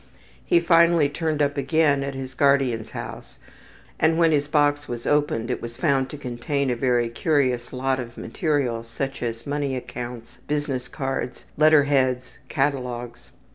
He finally turned up again at his guardian's house, and when his box was opened it was found to contain a very curious lot of material such as money accounts, business cards, letter heads, catalogues.